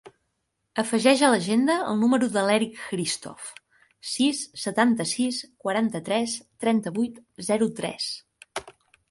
Afegeix a l'agenda el número de l'Eric Hristov: sis, setanta-sis, quaranta-tres, trenta-vuit, zero, tres.